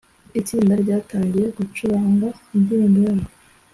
itsinda ryatangiye gucuranga indirimbo yabo.